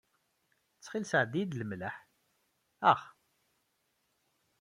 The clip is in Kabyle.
Ttxil sɛeddi-iyi-d lmelḥ. Ax.